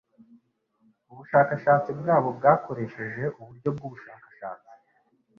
Ubushakashatsi bwabo bwakoresheje uburyo bwubushakashatsi.